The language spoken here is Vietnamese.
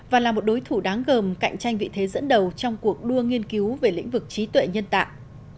và là một đối thủ đáng gồm cạnh tranh vị thế dẫn đầu trong cuộc đua nghiên cứu về lĩnh vực trí tuệ nhân tạo